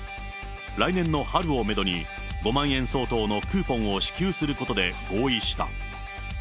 来年の春をメドに、５万円相当のクーポンを支給することで合意した。